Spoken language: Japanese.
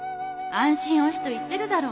「安心おし」と言ってるだろ。